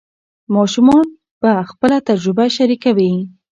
ماشومان به خپله تجربه شریکوي.